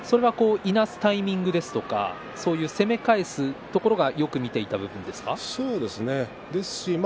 いなすタイミングとか攻め返すところがよく見ていたところですか。